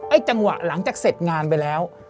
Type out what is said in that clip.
จังหวะหลังจากเสร็จงานไปแล้ว